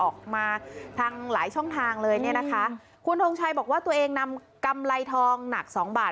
ออกมาทางหลายช่องทางเลยเนี่ยนะคะคุณทงชัยบอกว่าตัวเองนำกำไรทองหนักสองบาท